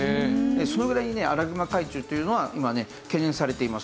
そのぐらいにねアライグマ回虫というのは今ね懸念されています。